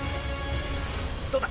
どうだ？